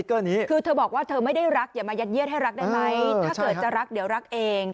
คือเธอบอกว่าเธอไม่ได้รักอย่ามายัดเยียดให้รักได้ไหมถ้าเกิดจะรักเดี๋ยวรักเอง